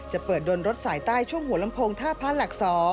จะเปิดโดนรถสายใต้ช่วงหัวลำโพงท่าพระหลัก๒